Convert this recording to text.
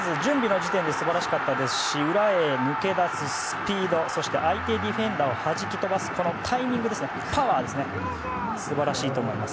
まず準備の時点で素晴らしかったですし裏へ抜け出すスピードそして相手ディフェンダーをはじき飛ばすタイミングとパワー素晴らしいと思います。